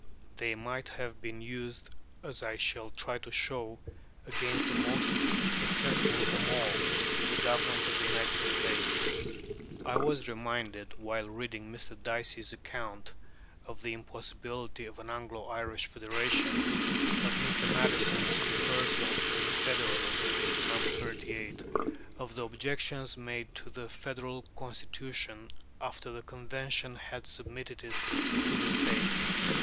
They might have been used, as I shall try to show, against the most successful of them all, the Government of the United States. I was reminded, while reading Mr. Dicey's account of the impossibility of an Anglo Irish federation, of Mr. Madison's rehearsal in the Federalist (No. 38) of the objections made to the Federal Constitution after the Convention had submitted it to the States.